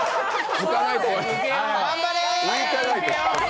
頑張れ。